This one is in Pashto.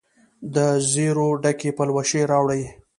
دزیرو ډکي پلوشې راوړي